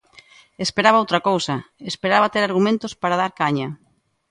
Esperaba outra cousa, esperaba ter argumentos para dar caña.